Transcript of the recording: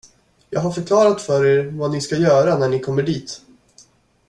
Jag har förklarat för er vad ni ska göra när ni kommer dit.